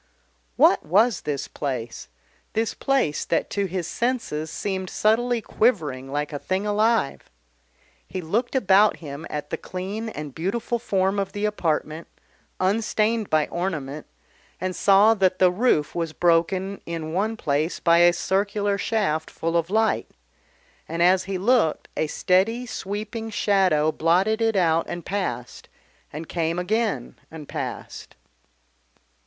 What was this place? this place that to his senses seemed subtly quivering like a thing alive? He looked about him at the clean and beautiful form of the apartment, unstained by ornament, and saw that the roof was broken in one place by a circular shaft full of light, and, as he looked, a steady, sweeping shadow blotted it out and passed, and came again and passed.